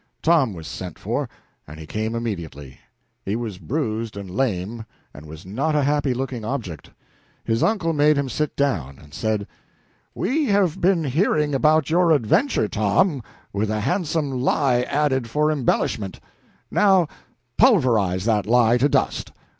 Tom was sent for, and he came immediately. He was bruised and lame, and was not a happy looking object. His uncle made him sit down, and said "We have been hearing about your adventure, Tom, with a handsome lie added to it for embellishment. Now pulverize that lie to dust!